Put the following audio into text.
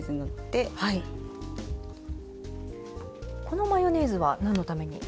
このマヨネーズは何のために？